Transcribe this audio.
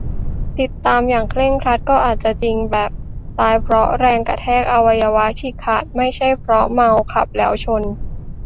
คิดตามอย่างเคร่งครัดก็อาจจะจริง แบบ ตายเพราะแรงกระแทก อวัยวะฉีดขาด ไม่ใช่เพราะเมาขับแล้วชน ?